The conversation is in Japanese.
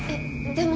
でも。